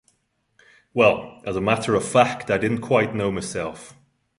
Well, as a matter of fact, I didn't quite know myself.